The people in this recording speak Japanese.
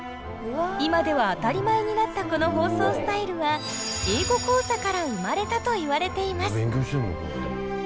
今では当たり前になったこの放送スタイルは「英語講座」から生まれたといわれています。